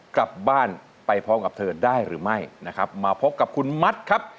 กลับบ้านไปพร้อมกับเธอได้หรือไม่นะครับมาพบกับคุณมัดครับ